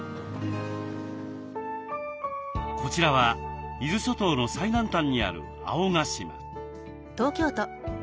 こちらは伊豆諸島の最南端にある青ヶ島。